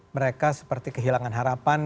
mereka seperti kehilangan harapan